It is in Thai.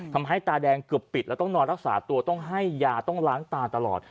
ตาแดงเกือบปิดแล้วต้องนอนรักษาตัวต้องให้ยาต้องล้างตาตลอด